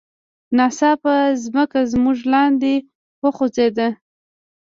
ناڅاپه ځمکه زموږ لاندې وخوزیده.